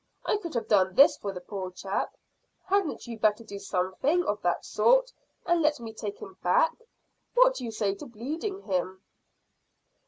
I could have done this for the poor chap. Hadn't you better do something of that sort and let me take him back? What do you say to bleeding him?"